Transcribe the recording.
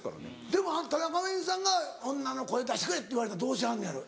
でも田中真弓さんが女の声出してくれって言われたらどうしはるのやろ？